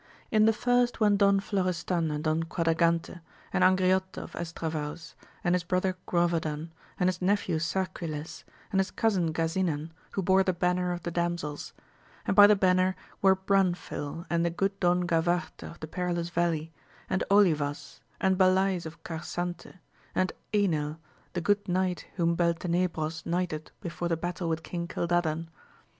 In the first went Don Florestan and Don Quadragante, and Angriote of Estravaus, and his brother Grovadan, and his nephew Sarquiles, and his cousin Gasinan, who bore the banner of the damsels; and by the banner were Branfil and the good Don Gavarte of the perilous valley, and Olivas, and Balays of Carsante, and Enil, the good knight whom Beltenebros knighted before the battle with King Cildadan.